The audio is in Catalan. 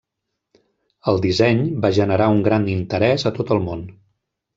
El disseny va generar un gran interès a tot el món.